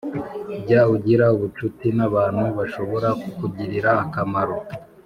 jya ugirana ubucuti n abantu bashobora kukugirira akamaro